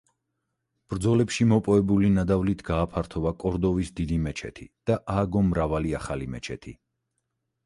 ბრძოლებში მოპოვებული ნადავლით გააფართოვა კორდოვის დიდი მეჩეთი და ააგო მრავალი ახალი მეჩეთი.